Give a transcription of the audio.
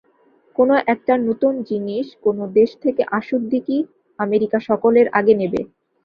কোন একটা নূতন জিনিষ কোন দেশ থেকে আসুক দিকি, আমেরিকা সকলের আগে নেবে।